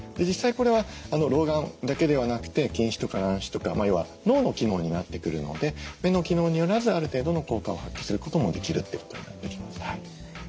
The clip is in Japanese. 実際これは老眼だけではなくて近視とか乱視とか要は脳の機能になってくるので目の機能によらずある程度の効果を発揮することもできるってことになってきます。